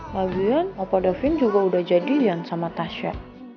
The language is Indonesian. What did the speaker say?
lagian opa davin juga udah jadikan sama tasya